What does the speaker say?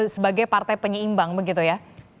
sebagai partai penyeimbang begitu ya